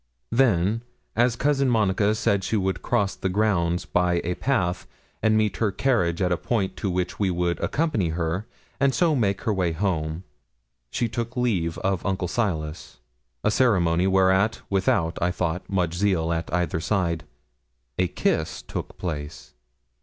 Then, as Cousin Monica said she would cross the grounds by a path, and meet her carriage at a point to which we would accompany her, and so make her way home, she took leave of Uncle Silas; a ceremony whereat without, I thought, much zeal at either side a kiss took place.